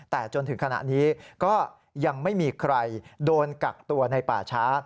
แต่จนถึงขณะนี้ก็ยังไม่มีใครโดนกักตัวในป่าช้า